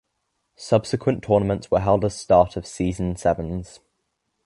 Subsequent tournaments were held as start of season Sevens.